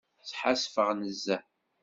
Sḥassfeɣ nezzeh.